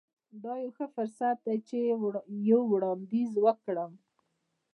دا یو ښه فرصت دی چې یو وړاندیز وکړم